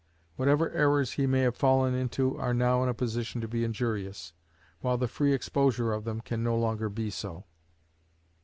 Whatever errors he may have fallen into are now in a position to be injurious, while the free exposure of them can no longer be so.